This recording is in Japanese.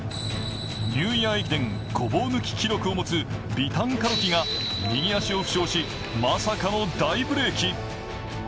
ニューイヤー駅伝ごぼう抜き記録を持つビダン・カロキが右足を負傷し、まさかの大ブレーキ